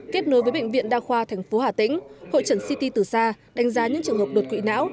kết nối với bệnh viện đa khoa thành phố hà tĩnh hội trần ct từ xa đánh giá những trường hợp đột quỵ não